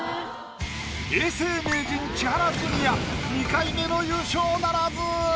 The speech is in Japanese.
永世名人千原ジュニア２回目の優勝ならず。